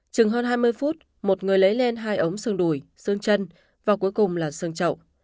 chừng hơn hai mươi phút một người lấy lên hai ống xương đùi sơn chân và cuối cùng là sương trậu